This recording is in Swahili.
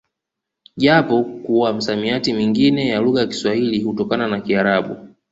Japo kuwa misamiti mingine ya lugha ya kiswahili hutokana na kiarabu